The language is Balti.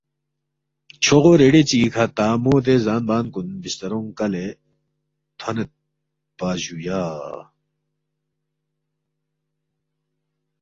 چھوغو ریڑے چگی کھہ تا مو دے زان بان کُن بسترونگ کلے تھونیدپا جُویا